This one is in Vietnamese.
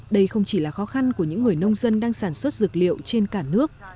đây không chỉ là khó khăn của những người nông dân đang sản xuất dược liệu trên cả nước